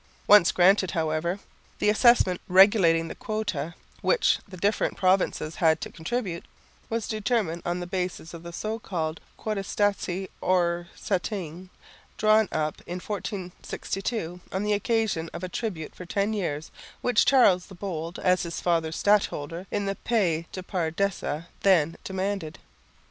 Once granted, however, the assessment regulating the quota, which the different provinces had to contribute, was determined on the basis of the so called quotisatie or settinge drawn up in 1462 on the occasion of a tribute for 10 years, which Charles the Bold, as his father's stadholder in the "pays de par deçà," then demanded.